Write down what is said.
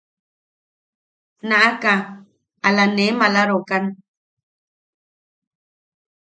Naaʼaka ala ne maalarokan.